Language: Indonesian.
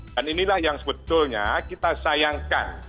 dan inilah yang sebetulnya kita sayangkan